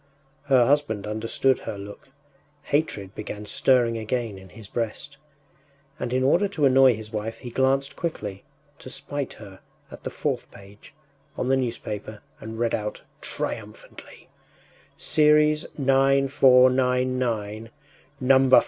” Her husband understood her look; hatred began stirring again in his breast, and in order to annoy his wife he glanced quickly, to spite her at the fourth page on the newspaper and read out triumphantly: “Series 9,499, number 46!